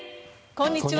こんにちは。